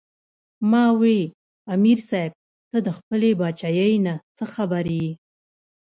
" ـ ما وې " امیر صېب تۀ د خپلې باچائۍ نه څۀ خبر ئې